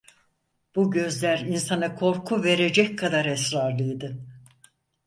Bu gözler insana korku verecek kadar esrarlıydı.